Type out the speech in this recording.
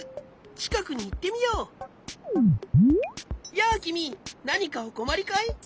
やあきみなにかおこまりかい？